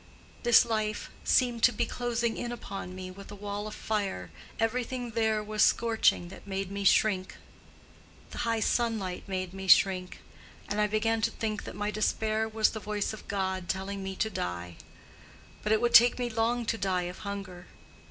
This life seemed to be closing in upon me with a wall of fire—everywhere there was scorching that made me shrink. The high sunlight made me shrink. And I began to think that my despair was the voice of God telling me to die. But it would take me long to die of hunger.